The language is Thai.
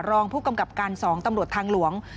รองผู้กำกับการ๒ตำรวจทางหลวง